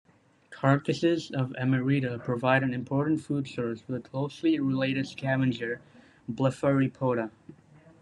Carcasses of "Emerita" provide an important food source for the closely related scavenger "Blepharipoda".